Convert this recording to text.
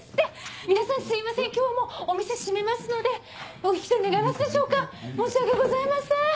皆さんすいません今日はもうお店閉めますのでお引き取り願えますでしょうか申し訳ございません！